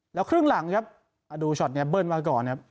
แล้วครึ่งหลังครับดูช็อตเนี่ยเบิ้ลมาก่อนครับ